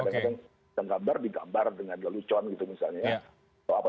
kadang kadang bisa digambar digambar dengan lelucon gitu misalnya ya